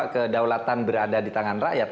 kedaulatan berada di tangan rakyat